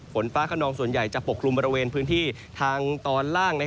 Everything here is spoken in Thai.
ฝนฟ้าขนองส่วนใหญ่จะปกลุ่มบริเวณพื้นที่ทางตอนล่าง